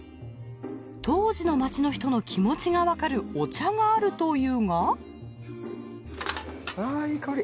当時の街の人の気持ちがわかるお茶があるというがああいい香り。